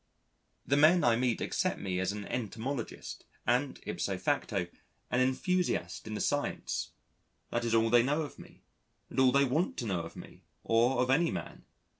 The men I meet accept me as an entomologist and ipso facto, an enthusiast in the science. That is all they know of me, and all they want to know of me, or of any man.